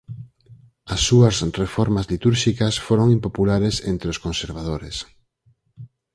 As súas reformas litúrxicas foron impopulares entre os conservadores.